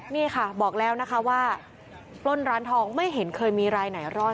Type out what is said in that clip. นี่ค่ะบอกแล้วนะคะว่าปล้นร้านทองไม่เห็นเคยมีรายไหนรอด